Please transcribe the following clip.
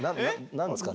何ですか？